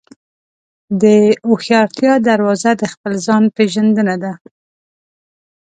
د هوښیارتیا دروازه د خپل ځان پېژندنه ده.